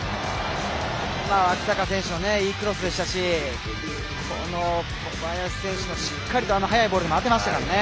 脇坂選手のいいクロスでしたしこの小林選手、しっかりと速いボールに当てました。